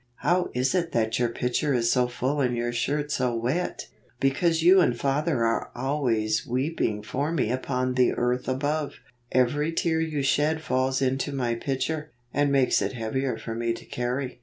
"How is it that your pitcher is so full and your shirt so wet?" " Because you and Father are always weeping for me upon the earth above. Every tear you shed falls into my pitcher, and makes it heavier for me to carry.